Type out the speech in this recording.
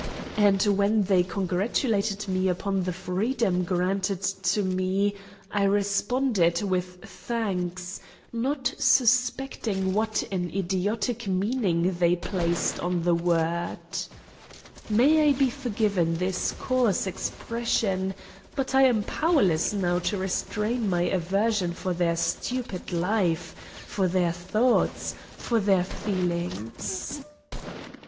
And when they congratulated me upon the freedom granted to me I responded with thanks, not suspecting what an idiotic meaning they placed on the word. May I be forgiven this coarse expression, but I am powerless now to restrain my aversion for their stupid life, for their thoughts, for their feelings.